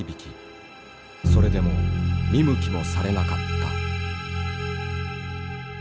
それでも見向きもされなかった。